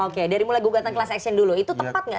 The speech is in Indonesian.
oke dari mulai gugatan kelas action dulu itu tepat nggak